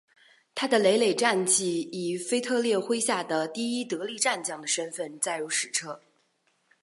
他的累累战绩以腓特烈麾下第一得力战将的身份载入史册。